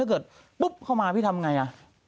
ถ้าเกิดปุ๊บเข้ามาพี่ทำอย่างไร